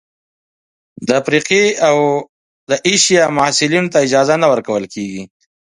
افریقايي او اسیايي محصلینو ته اجازه نه ورکول کیږي.